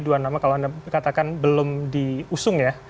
dua nama kalau anda katakan belum diusung ya